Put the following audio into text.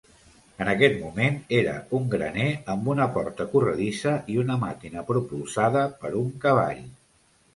En aquest moment era un graner amb una porta corredissa i una màquina propulsada per un cavall.